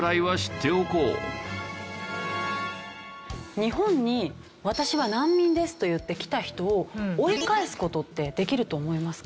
日本に「私は難民です」と言って来た人を追い返す事ってできると思いますか？